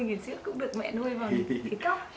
người dưỡng cũng được mẹ nuôi vào thịt cóc